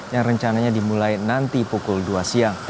yang rencananya dimulai nanti pukul dua siang